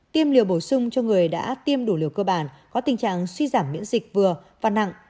tiêm liều bổ sung cho người đã tiêm đủ liều cơ bản có tình trạng suy giảm miễn dịch vừa và nặng